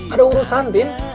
ada urusan tin